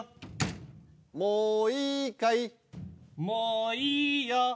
もういいよ。